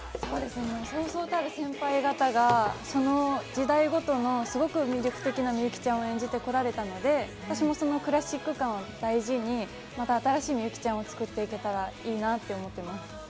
そうそうたる先輩方が、その時代ごとのすごく魅力的な美雪ちゃんを演じてこられたので私もそのクラシック感を大事にまた新しい美雪ちゃんを作っていけたらいいなって思ってます。